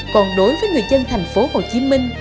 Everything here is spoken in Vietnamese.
còn đối với người dân thành phố hồ chí minh